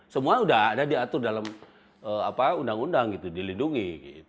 semua sudah ada diatur dalam undang undang gitu dilindungi